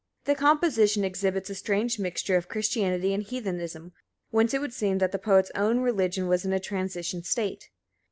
The composition exhibits a strange mixture of Christianity and Heathenism, whence it would seem that the poet's own religion was in a transition state.